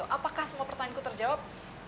apakah semua pertanyaan terjawab